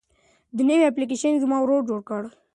دا نوی اپلیکیشن زما ورور جوړ کړی دی.